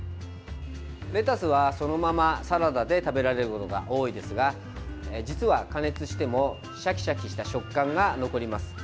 レタスはそのままサラダで食べられることが多いですが実は加熱してもシャキシャキした食感が残ります。